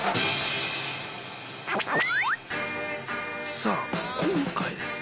さあ今回ですね